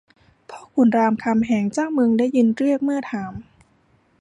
พ่อขุนรามคำแหงเจ้าเมืองได้ยินเรียกเมื่อถาม